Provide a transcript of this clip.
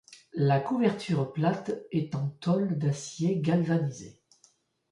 La couverture plate est en tôle d'acier galvanisé.